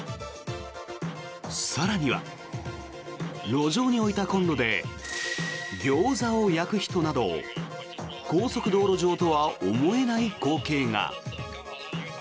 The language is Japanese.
更には、路上に置いたコンロでギョーザを焼く人など高速道路上とは思えない光景が。